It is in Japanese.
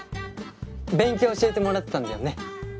勉強教えてもらってたんだよね。